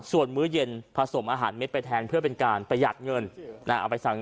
ส่วนมื้อเย็นผสมอาหารเม็ดไปแทนเพื่อเป็นการประหยัดเงินนะเอาไปสั่ง